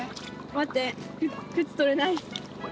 待って靴取れない。